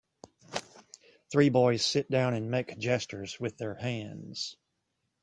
Three boys sit down and make gestures with their hands.